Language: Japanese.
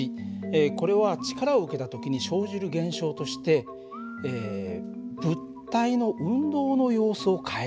これは力を受けた時に生じる現象として物体の運動の様子を変える。